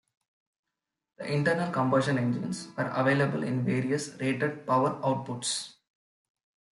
The internal combustion engines were available in various rated power outputs.